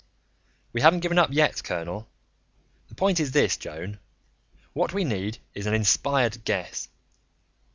"We haven't given up yet, colonel. The point is this, Joan: what we need is an inspired guess.